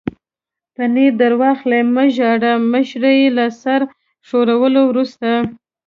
پنیر در واخلئ، مه ژاړئ، مشرې یې له سر ښورولو وروسته.